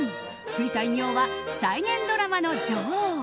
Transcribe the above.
ついた異名は再現ドラマの女王。